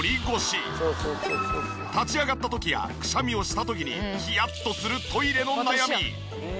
立ち上がった時やくしゃみをした時にヒヤッとするトイレの悩み。